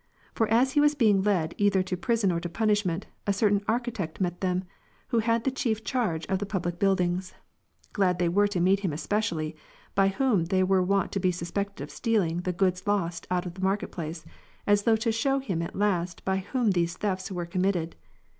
For as he was being led either to prison or to punishment, a certain architect met them, who had the chief charge of the public buildings. Glad they were to meet him especially, by whom they were wont to be suspected of stealing the goods lost out of the market place, as though to shew him at last by whom these thefts were committed.